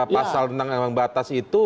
pasal tentang ambang batas itu